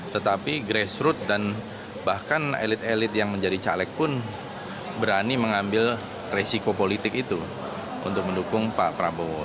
tetapi grassroot dan bahkan elit elit yang menjadi caleg pun berani mengambil resiko politik itu untuk mendukung pak prabowo